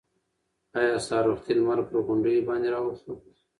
ایا سهار وختي لمر پر غونډیو باندې راوخوت؟